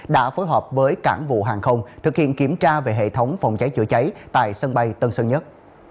đã phối hợp với cảng vụ hàng không thực hiện kiểm tra về hệ thống phòng cháy chữa cháy tại sân bay tân sơn nhất